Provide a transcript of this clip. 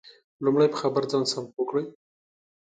لمړی په خبر ځان سم پوه کړئ